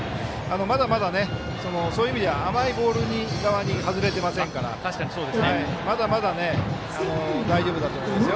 まだまだ、そういう意味では甘いボール側に外れてませんからまだまだ大丈夫だと思いますよ。